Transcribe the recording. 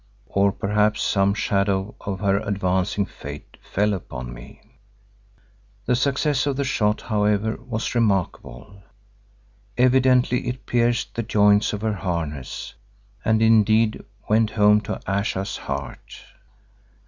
Or perhaps some shadow of her advancing fate fell upon me. The success of the shot, however, was remarkable. Evidently it pierced the joints of her harness, and indeed went home to Ayesha's heart.